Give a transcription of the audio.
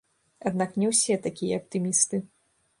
Аднак не ўсе такія аптымісты.